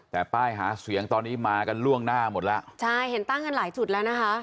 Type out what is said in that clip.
แต่ป้ายหาเสียงตอนนี้มากันล่วงหน้าหมดแล้วใช่เห็นตั้งกันหลายจุดแล้วนะคะ